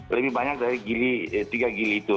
lebih banyak dari tiga gili itu